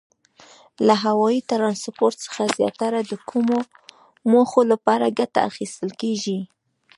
له هوایي ترانسپورت څخه زیاتره د کومو موخو لپاره ګټه اخیستل کیږي؟